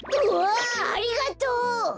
うわありがとう！